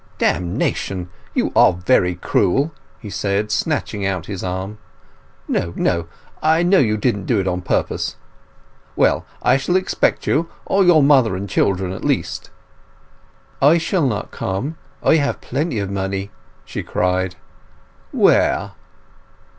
"Damnation—you are very cruel!" he said, snatching out his arm. "No, no!—I know you didn't do it on purpose. Well, I shall expect you, or your mother and children at least." "I shall not come—I have plenty of money!" she cried. "Where?"